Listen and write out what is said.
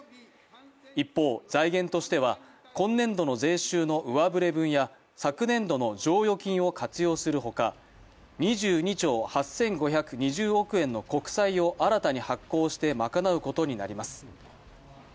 一方、財源としては今年度の税収の上振れ分や昨年度の剰余金を活用するほか、２２兆８５２０億円の国債を新たに発行して賄うことになります。